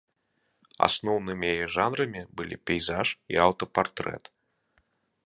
Асноўнымі яе жанрамі былі пейзаж і аўтапартрэт.